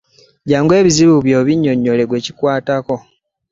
Jangu ebizibu byo obinnyonnyole gwe kikwatako.